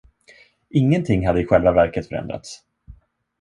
Ingenting hade i själva verket förändrats.